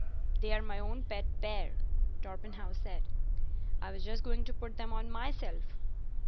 "They're my own pet pair," Torpenhow said. "I was just going to put them on myself."